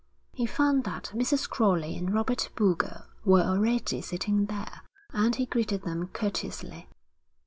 He found that Mrs. Crowley and Robert Boulger were already sitting there, and he greeted them courteously.